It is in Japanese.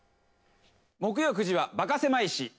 木曜９時は「バカせまい史」。